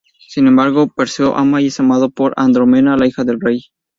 Sin embargo, Perseo ama y es amado por Andrómeda, la hija del rey.